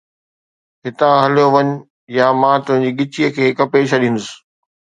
ھتان ھليو وڃ، يا مان تنھنجي ڳچيءَ کي ڪپي ڇڏيندس